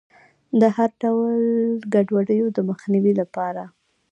د هر ډول ګډوډیو د مخنیوي لپاره.